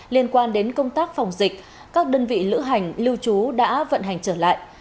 liên quan đến công tác phòng dịch các đơn vị lữ hành lưu trú đã vận hành trở lại